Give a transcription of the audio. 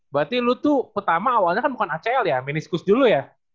berarti lu tuh pertama awalnya kan bukan acl ya miniscus dulu ya